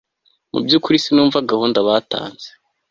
mu byukuri sinumva gahunda batanze